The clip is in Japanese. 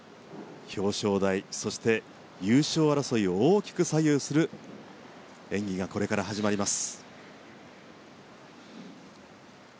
表彰台、そして優勝争いを大きく左右する演技がこれから始まります。